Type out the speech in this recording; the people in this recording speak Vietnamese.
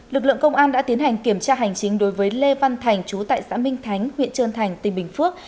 lực lượng công an đã tiến hành kiểm tra hành chính đối với lê văn thành chú tại xã minh thánh huyện trơn thành tỉnh bình phước